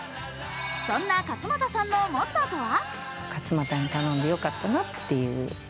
そんな勝又さんのモットーとは？